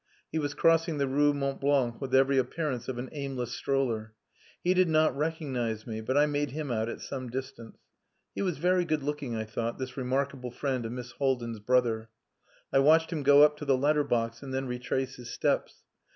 He was crossing the Rue Mont Blanc with every appearance of an aimless stroller. He did not recognize me, but I made him out at some distance. He was very good looking, I thought, this remarkable friend of Miss Haldin's brother. I watched him go up to the letter box and then retrace his steps.